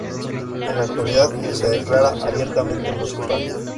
En la actualidad se declara abiertamente homosexual.